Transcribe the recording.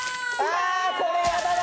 「ああこれやだな」